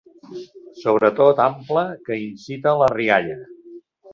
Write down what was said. Sobretot ample que incita a la rialla.